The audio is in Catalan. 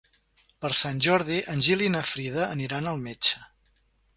Per Sant Jordi en Gil i na Frida aniran al metge.